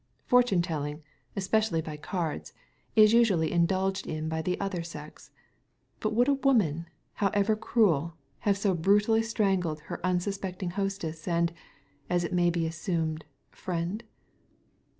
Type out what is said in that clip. Fortune telling — especially by cards — is usually in dulged in by the other sex. But would a woman, however cruel, have so brutally strangled her unsus pecting hostess, and — ^as it may be assumed — friend